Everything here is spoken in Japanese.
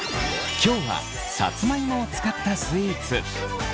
今日はさつまいもを使ったスイーツ。